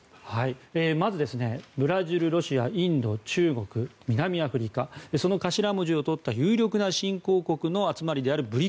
まず、ブラジル、ロシアインド、中国、南アフリカその頭文字を取った有力な新興国の集まりであるＢＲＩＣＳ